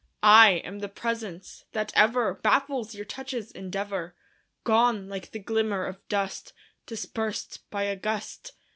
I am the presence that ever Baffles your touch's endeavor, Gone like the glimmer of dust Dispersed by a gust.